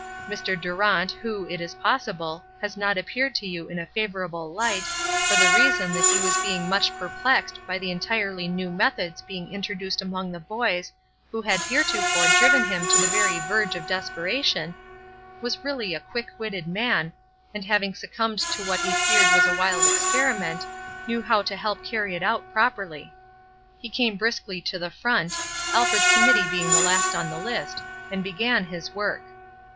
Mr. Durant, who, it is possible, has not appeared to you in a favorable light, for the reason that he was being much perplexed by the entirely new methods being introduced among the boys who had heretofore driven him to the very verge of desperation, was really a quickwitted man, and having succumbed to what he feared was a wild experiment, knew how to help carry it out properly. He came briskly to the front, Alfred's committee being the last on the list, and began his work.